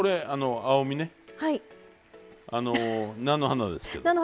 菜の花ですけど。